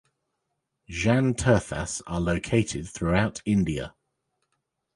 Jain tirthas are located throughout India.